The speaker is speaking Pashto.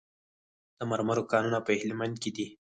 د مرمرو کانونه په هلمند کې دي